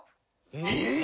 えっ！？